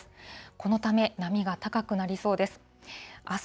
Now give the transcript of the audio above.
このため、波が高くなりそうです。